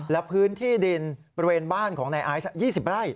แล้วพื้นที่ดินบริเวณบ้านของในอายุ๒๐ไร่